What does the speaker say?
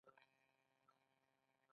نرمه ژبه کاروئ